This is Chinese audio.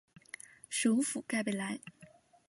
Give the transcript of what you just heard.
首府盖贝莱。